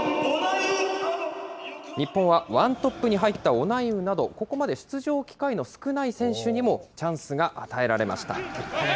日本はワントップに入ったオナイウなど、ここまで出場機会の少ない選手にもチャンスが与えられました。